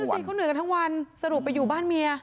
สิเขาเหนื่อยกันทั้งวันสรุปไปอยู่บ้านเมีย